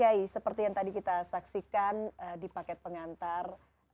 kiai seperti yang tadi kita saksikan di paket pengantar